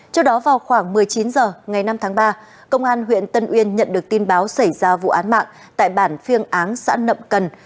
trước đó vào khoảng một mươi chín h ngày năm tháng ba công an huyện tân uyên nhận được tin báo xảy ra vụ án mạng tại bản phiêng áng xã nậm cần